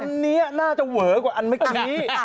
อันนี้น่าจะเวอกว่าอันเมื่อกี้